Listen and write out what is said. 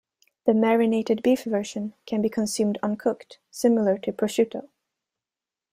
The marinated beef version can be consumed uncooked, similar to prosciutto.